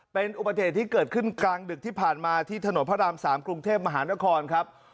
เป็นอุบัติเหตุที่เกิดขึ้นกลางดึกที่ผ่านมาที่ถนนพระราม๓กรุงเทพมหานครครับ